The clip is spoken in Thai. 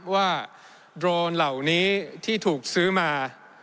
โดรนเหล่านี้ที่ถูกซื้อมา